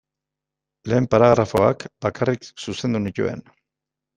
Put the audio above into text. Lehen paragrafoak bakarrik zuzendu nituen.